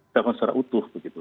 dalam sejarah utuh begitu